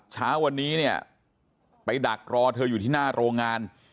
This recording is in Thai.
เช้าวันนี้เนี่ยไปดักรอเธออยู่ที่หน้าโรงงาน